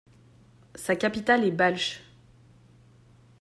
Sa capitale est Ballsh.